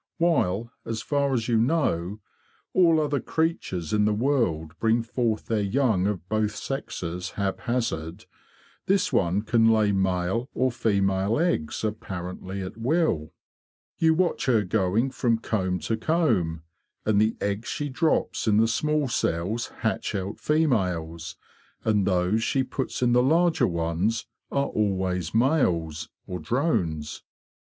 While, as far as you know, all other creatures in the world bring forth their young of both sexes hap hazard, this one can lay male or female eggs apparently at will. You watch her going from comb to comb, and the eggs she drops in the small cells hatch out females, and those she puts in the larger ones are always males, or drones.